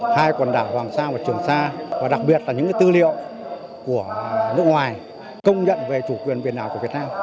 hai quần đảo hoàng sa và trường sa và đặc biệt là những tư liệu của nước ngoài công nhận về chủ quyền biển đảo của việt nam